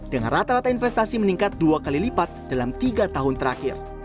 dengan rata rata investasi meningkat dua kali lipat dalam tiga tahun terakhir